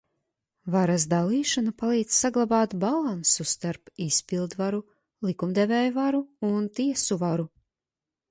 Varas dalīšana palīdz saglabāt balansu starp izpildvaru, likumdevēju varu un tiesu varu.